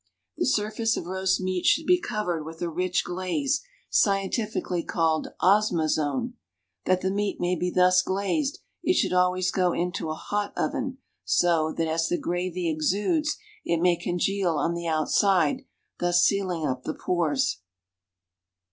The surface of roast meat should be covered with a rich glaze, scientifically called "osma zone." That the meat may be thus glazed, it should always go into a hot oven, so that, as the gravy exudes, it may congeal on the outside, thus sealing up the pores.